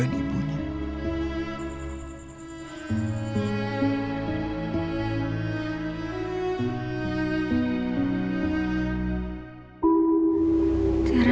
tidak ada towns menurut anda